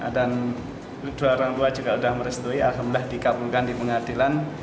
dan doa orang tua juga sudah merestui alhamdulillah dikabulkan di pengadilan